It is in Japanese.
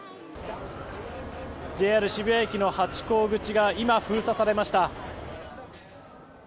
ＪＲ渋谷駅のハチ公口が今、封鎖されました。